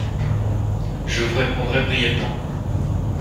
Je vous répondrai brièvement.